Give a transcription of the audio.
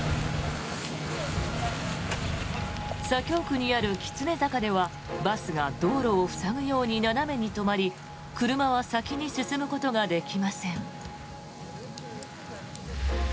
左京区にある狐坂ではバスが道路を塞ぐように斜めに曲がり車は先に進むことができません。